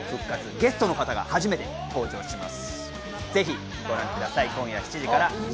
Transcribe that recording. ゲストの方が初めて登場します。